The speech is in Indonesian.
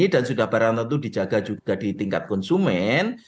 dan sudah barang tentu dijaga juga di tingkat konsumen